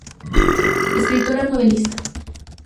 Escritora novelista.